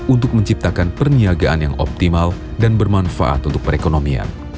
untuk menciptakan perniagaan yang optimal dan bermanfaat untuk perekonomian